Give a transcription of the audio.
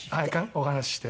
お話しして。